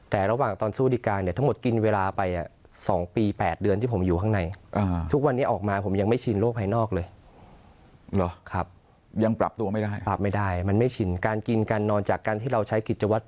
แต่ระหว่างตอนสู้ดีกาเนี่ยทั้งหมดกินเวลาไป๒ปี๘เดือนที่ผมอยู่ข้างใน